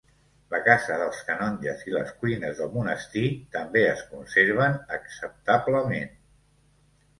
La casa dels canonges i les cuines del monestir també es conserven acceptablement.